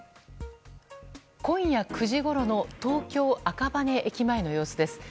今夜９時ごろの東京・赤羽駅前の様子です。